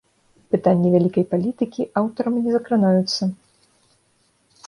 Пытанні вялікай палітыкі аўтарам не закранаюцца.